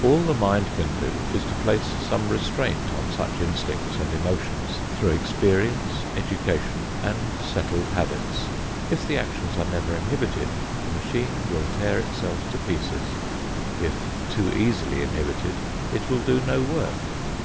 All the mind can do is to place some restraint on such instincts and emotions through experience, education and settled habits. If the actions are never inhibited, the machine will tear itself to pieces. If too easily inhibited, it will do no work.